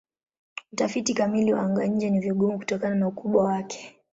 Utafiti kamili wa anga-nje ni vigumu kutokana na ukubwa wake.